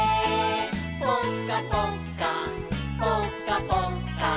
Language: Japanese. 「ぽかぽっかぽかぽっか」